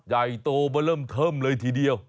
ใหญ่โตมาเริ่มเทิมเลยทีเดียว